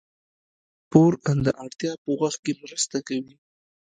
پور د اړتیا په وخت کې مرسته کوي.